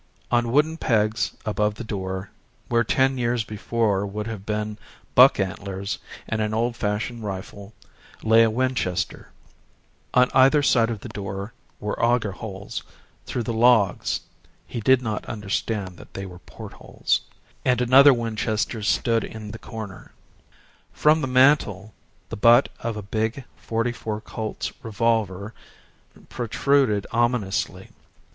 On wooden pegs above the door where ten years before would have been buck antlers and an old fashioned rifle, lay a Winchester; on either side of the door were auger holes through the logs (he did not understand that they were port holes) and another Winchester stood in the corner. From the mantel the butt of a big 44 Colt's revolver protruded ominously.